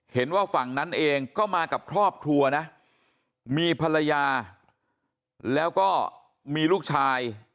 เห็นว่าฝั่งนั้นเองก็มากับครอบครัวนะมีภรรยาแล้วก็มีลูกชาย